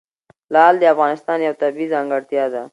لعل د افغانستان یوه طبیعي ځانګړتیا ده.